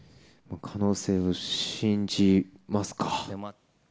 可能性を信じますか。